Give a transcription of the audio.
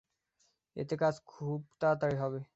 এতে কাজ খুব তাড়াতাড়ি হবে।